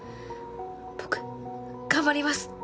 僕頑張ります。